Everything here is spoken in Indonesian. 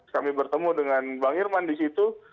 kami bertemu dengan bang irman di situ